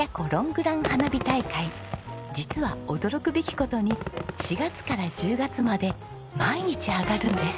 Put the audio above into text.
実は驚くべき事に４月から１０月まで毎日上がるんです。